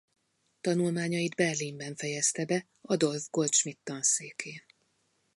Tanulmányait Berlinben fejezte be Adolph Goldschmidt tanszékén.